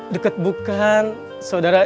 deket bukan saudara